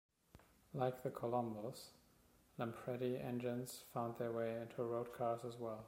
Like the Colombos, Lampredi engines found their way into road cars as well.